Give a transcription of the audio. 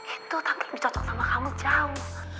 itu tante lebih cocok sama kamu jauh